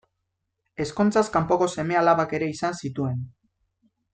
Ezkontzaz kanpoko seme-alabak ere izan zituen.